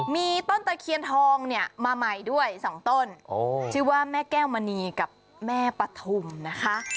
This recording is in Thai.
มีต้นตะเคียนทองเนี่ยมาใหม่ด้วย๒ต้นชื่อว่าแม่แก้วมณีกับแม่ปฐุมนะคะ